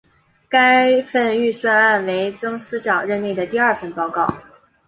该份预算案为曾司长任内的第二份报告。